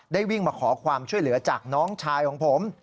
วิ่งมาขอความช่วยเหลือจากน้องชายของผม